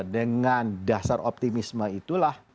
dengan dasar optimisme itulah